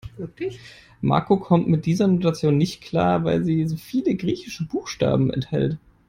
Marco kommt mit dieser Notation nicht klar, weil sie so viele griechische Buchstaben enthält.